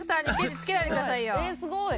ええすごい。